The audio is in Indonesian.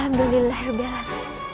alhamdulillah rabbi rahman